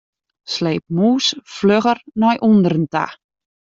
Sleep mûs flugger nei ûnderen ta.